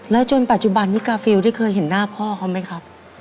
จนปัจจุบันนี้กาฟิลได้เคยเห็นหน้าพ่อเขาไหมครับ